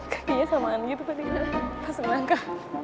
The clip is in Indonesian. kayaknya samaan gitu tadi pas ngerangka